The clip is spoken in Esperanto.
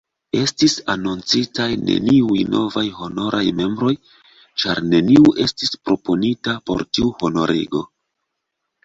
Estis anoncitaj neniuj novaj honoraj membroj, ĉar neniu estis proponita por tiu honorigo.